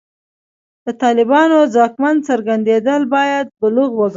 د طالبانو ځواکمن څرګندېدل باید بلوغ وګڼو.